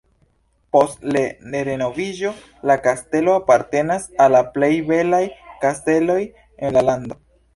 Post le renoviĝo la kastelo apartenas al la plej belaj kasteloj en la lando.